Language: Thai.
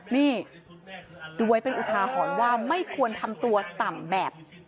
นี่ดูไว้เป็นอุทาหรณ์ว่าไม่ควรทำตัวต่ำแบบ